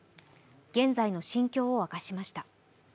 現在の心境を明かしました。